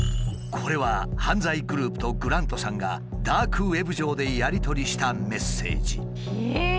これは犯罪グループとグラントさんがダークウェブ上でやり取りしたメッセージ。